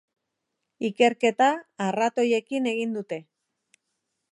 Ikerketa arratoiekin egin dute.